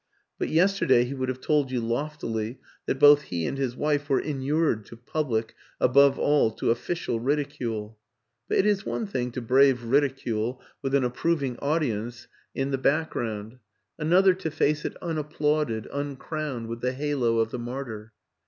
But yesterday he would have told you loftily that both he and his wife were inured to public, above all to official, ridicule; but it is one thing to brave ridicule with an approving audience in the back u6 WILLIAM AN ENGLISHMAN ground, another to face it unapplauded, un crowned with the halo of the martyr.